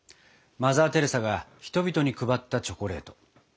マザー・テレサが人々に配ったチョコレート。